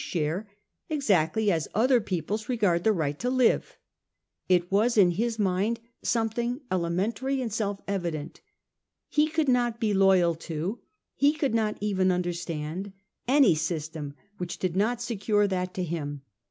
share, exactly as other peoples regard the right to live. It was in his min d something elementary and self evident. He could not be loyal to, he could not even understand, any system which did not secure that to him.